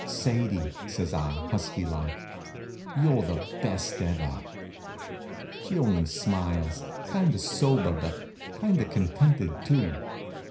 "Sadie," says I, husky like, "you're the best ever!" She only smiles, kind of sober, but kind of contented, too.